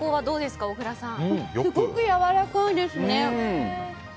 すごくやわらかいですね。